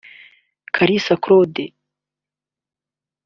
Kalisa Claude